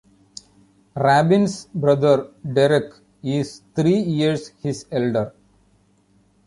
Rabin's brother Derek is three years his elder.